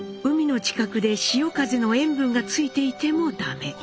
海の近くで潮風の塩分がついていてもダメ。